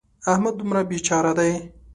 احمد دومره بې چاره دی.